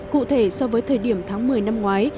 cụ thể so với thời điểm tháng một mươi năm ngoái